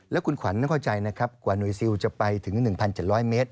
แล้วคุณขวัญต้องเข้าใจนะครับกว่าหน่วยซิลจะไปถึง๑๗๐๐เมตร